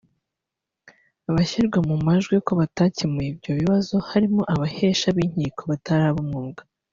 Abashyirwa mu majwi ko batakemuye ibyo bibazo harimo abahesha b’inkiko batari ab’umwuga